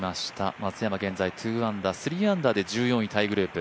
松山現在３アンダーで１３位タイグループ。